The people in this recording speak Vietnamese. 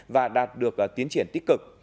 và đạt được tiến triển tích cực